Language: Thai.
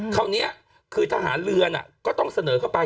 คราวนี้คือทหารเรือก็ต้องเสนอเข้าไป